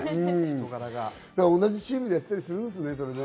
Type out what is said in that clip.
同じチームでやってたりするんですね。